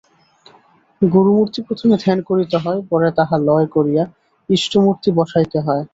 গুরুমূর্তি প্রথমে ধ্যান করিতে হয়, পরে তাহা লয় করিয়া ইষ্টমূর্তি বসাইতে হয়।